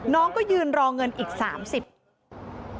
น้องก็ยืนรอเงินอีก๓๐บาท